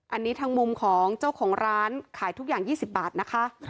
อันนี้ทางมุมของเจ้าของร้านขายทุกอย่าง๒๐บาทนะคะ